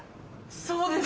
そうです。